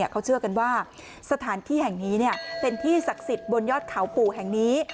เขาเชื่อกันว่าสถานที่แห่งนี้เป็นที่ศักดิ์สิทธิ์บนยอดเขาปู่แห่งนี้